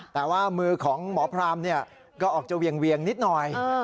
แต่ว่ามือของหมอพรามก็ออกจะเวียงนิดหน่อย